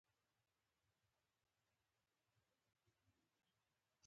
شين ډکی مو ونه ليد.